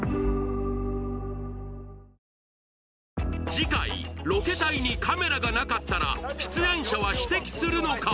次回ロケ隊にカメラがなかったら出演者は指摘するのか？